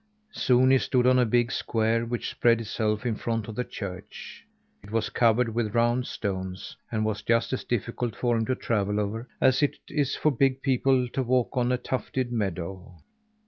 Soon he stood on a big square which spread itself in front of the church. It was covered with round stones, and was just as difficult for him to travel over, as it is for big people to walk on a tufted meadow.